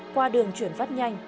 qua đường chuyển phát nhanh